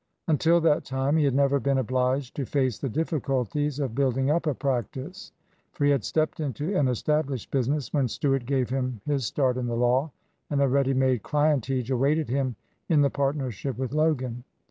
Until that time he had never been obliged to face the difficulties of building up a practice, for he had stepped into an established business when Stuart gave him his start in the law, and a ready made clientage awaited him in the partnership with Logan.